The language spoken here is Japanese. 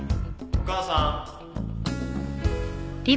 お母さん。